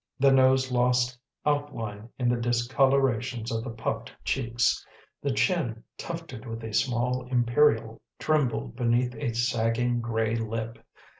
The nose lost outline in the discolorations of the puffed cheeks; the chin, tufted with a small imperial, trembled beneath a sagging, gray lip.